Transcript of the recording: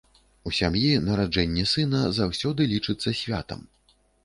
У сям'і нараджэнне сына заўсёды лічыцца святам.